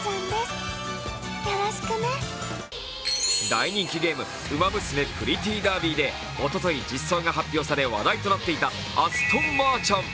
大人気ゲーム「ウマ娘プリティーダービー」でおととい、実装が発表され話題となっていたアストンマーチャン。